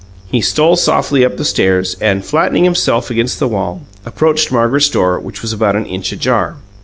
He stole softly up the stairs, and, flattening himself against the wall, approached Margaret's door, which was about an inch ajar.